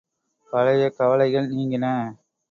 பழைய கவலைகள் நீங்கின.